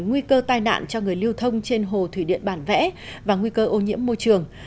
nguy cơ tai nạn cho người lưu thông trên hồ thủy điện bản vẽ và nguy cơ ô nhiễm môi trường